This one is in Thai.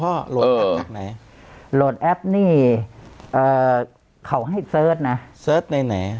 ก็โหลดแอปจากไหนโหลดแอปนี่เอ่อเขาให้เสิร์ชนะเสิร์ชในไหน